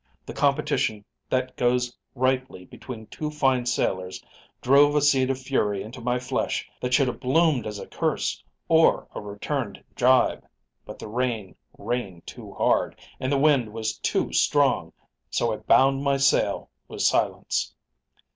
The competition that goes rightly between two fine sailors drove a seed of fury into my flesh that should have bloomed as a curse or a returned jibe, but the rain rained too hard, and the wind was too strong; so I bound my sail with silence.